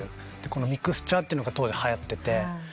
このミクスチャーというのが当時はやってて。